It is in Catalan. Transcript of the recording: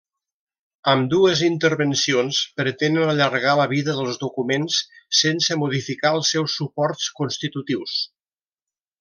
Ambdues intervencions pretenen allargar la vida dels documents, sense modificar els seus suports constitutius.